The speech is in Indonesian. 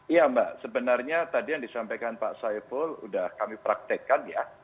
iya mbak sebenarnya tadi yang disampaikan pak saiful sudah kami praktekkan ya